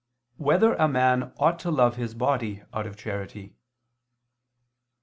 5] Whether a Man Ought to Love His Body Out of Charity?